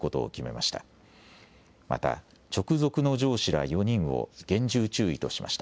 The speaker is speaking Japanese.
また、直属の上司ら４人を厳重注意としました。